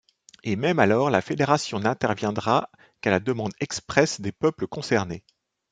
Et même alors, la Fédération n'interviendra qu'à la demande expresse des peuples concernés.